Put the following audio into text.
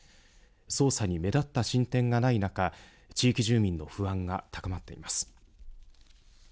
捜査に目立った進展がない中地域住民の不安が高まっています。